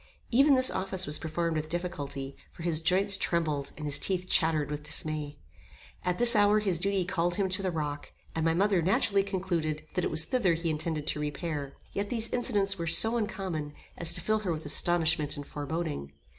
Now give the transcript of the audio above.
Even this office was performed with difficulty, for his joints trembled, and his teeth chattered with dismay. At this hour his duty called him to the rock, and my mother naturally concluded that it was thither he intended to repair. Yet these incidents were so uncommon, as to fill her with astonishment and foreboding.